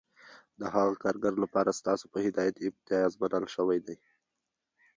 د هغه کارګر لپاره ستاسو په هدایت امتیاز منل شوی دی